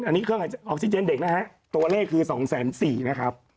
อันนี้เครื่องออกซิเจนเด็กนะฮะตัวเลขคือ๒๔๐๐นะครับ